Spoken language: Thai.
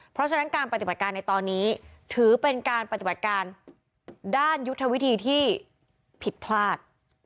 เพราะฉะนั้นการปฏิบัติการในตอนนี้ถือเป็นการปฏิบัติการด้านยุทธวิธีที่ผิดพลาด